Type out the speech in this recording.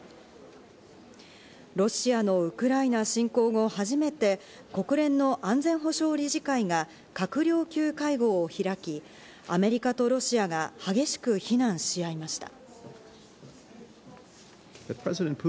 ロシアのウクライナ侵攻後初めて国連の安全保障理事会が閣僚級会合を開き、アメリカとロシアが激しく非難しあいました。